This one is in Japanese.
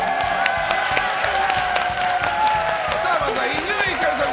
まずは伊集院光さん